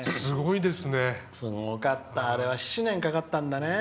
すごかった、あれは７年かかったんだね。